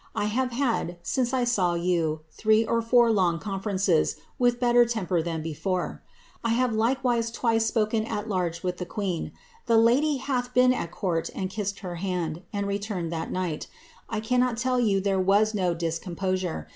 I have had, since I saw e or four long conferences, with better temper than before. I swise twice spoken at large with the queen. The Utdy hath ourt and kissed her hand, and returned that night. I cannot there was no discomposure.